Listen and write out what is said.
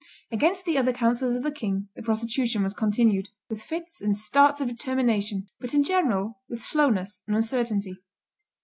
Against the other councillors of the king the prosecution was continued, with fits and starts of determination, but in general with slowness and uncertainty.